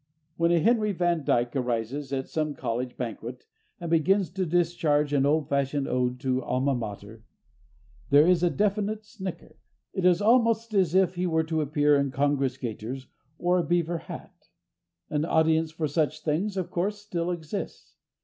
When a Henry Van Dyke arises at some college banquet and begins to discharge an old fashioned ode to alma mater there is a definite snicker; it is almost as if he were to appear in Congress gaiters or a beaver hat. An audience for such things, of course, still exists.